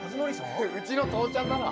うちの父ちゃんだな。